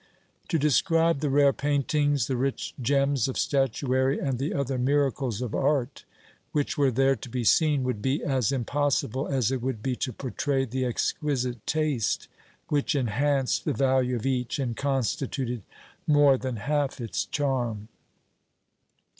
To describe the rare paintings, the rich gems of statuary and the other miracles of art which were there to be seen would be as impossible as it would be to portray the exquisite taste which enhanced the value of each and constituted more than half its charm.